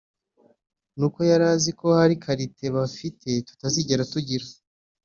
ni uko yari izi ko hari qualités bafite tutazigera tugira